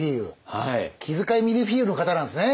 気遣い見るフィーユの方なんですね